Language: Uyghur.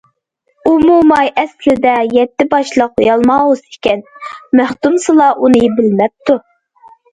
ئۇ موماي ئەسلىدە يەتتە باشلىق يالماۋۇز ئىكەن، مەختۇمسۇلا ئۇنى بىلمەپتۇ.